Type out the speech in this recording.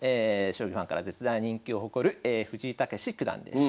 将棋ファンから絶大な人気を誇る藤井猛九段です。